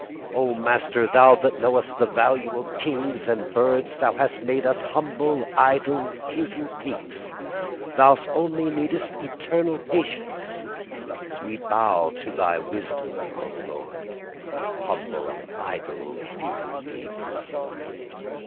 "O Master, "Thou that knowest the value of kings and birds, "Thou hast made us humble, idle, futile peaks. "Thous only needest eternal patience; "We bow to Thy wisdom, O Lord "Humble, idle, futile peaks."